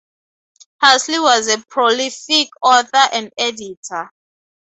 Halsey was a prolific author and editor.